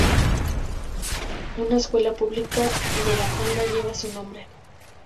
Una escuela pública de La Falda lleva su nombre.